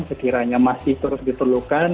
sekiranya masih terus diterlukan